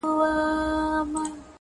• د الماسو یو غمی وو خدای راکړی,